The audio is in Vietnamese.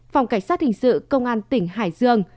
phòng cảnh sát hình sự công an tỉnh hải dương